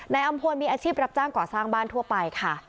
อำพลมีอาชีพรับจ้างก่อสร้างบ้านทั่วไปค่ะ